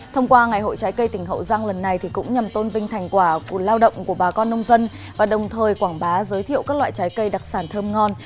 thông qua ngày hội trái cây tỉnh hậu giang lần này cũng nhằm tôn vinh thành quả của lao động của bà con nông dân và đồng thời quảng bá giới thiệu các loại trái cây đặc sản thơm ngon